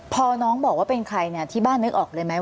พอน้องบอกว่าเป็นใครเนี่ยที่บ้านนึกออกเลยไหม